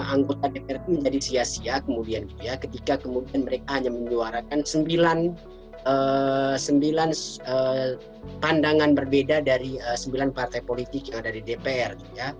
lima ratus tujuh puluh lima anggota dpr itu menjadi sia sia ketika mereka hanya menyuarakan sembilan pandangan berbeda dari sembilan partai politik yang ada di dpr